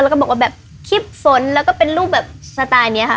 แล้วก็บอกว่าแบบคลิปฝนแล้วก็เป็นรูปแบบสไตล์นี้ค่ะ